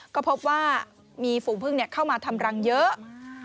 ก็พบว่ามีฝูงพึ่งเข้ามาทำรังเยอะ